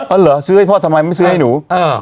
เอาเหรอซื้อให้พ่อทำไมไม่ซื้อให้หนู